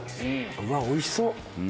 うわ、おいしそう。